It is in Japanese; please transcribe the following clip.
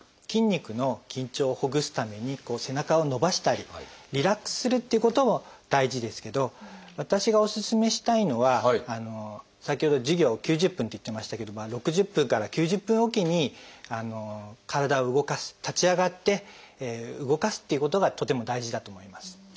筋肉の緊張をほぐすために背中を伸ばしたりリラックスするっていうことも大事ですけど私がお勧めしたいのは先ほど授業９０分って言ってましたけど６０分から９０分おきに体を動かす立ち上がって動かすっていうことがとても大事だと思います。